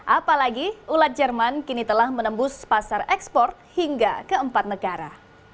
apalagi ulat jerman kini telah menembus pasar ekspor hingga ke empat negara